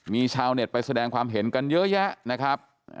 มีชาวเน็ตไปแสดงความเห็นกันเยอะแยะนะครับ